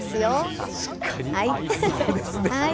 確かに合いそうですね！